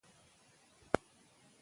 ځینې کورنۍ مرسته نه غواړي.